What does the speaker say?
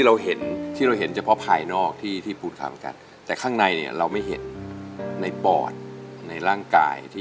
แล้วผิวเราน้ำอย่างนี้แล้วข้างในเรามันจะยังไง